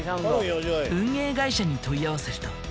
運営会社に問い合わせると。